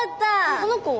この子は？